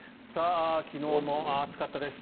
昨日も暑かったです。